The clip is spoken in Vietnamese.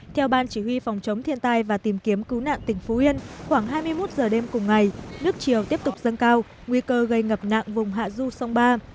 theo ban chỉ huy phòng chống thiên tai và tìm kiếm cứu nạn tỉnh phú yên khoảng hai mươi một giờ đêm cùng ngày nước chiều tiếp tục dâng cao nguy cơ gây ngập nặng vùng hạ du sông ba